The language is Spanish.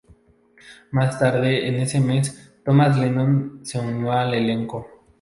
Más tarde en ese mes, Thomas Lennon se unió al elenco.